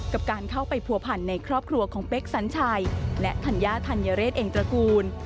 กับการเข้าไปผัวพันในครอบครัวของเป๊กสัญชัยและธัญญาธัญเรศเองตระกูล